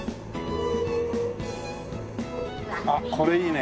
あっこれいいね。